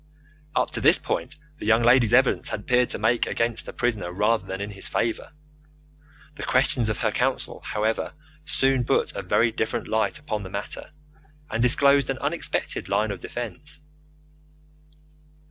Up to this point the young lady's evidence had appeared to make against the prisoner rather than in his favour. The questions of her counsel, however, soon put a very different light upon the matter, and disclosed an unexpected line of defence.